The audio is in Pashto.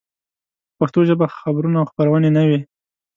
په پښتو ژبه خبرونه او خپرونې نه وې.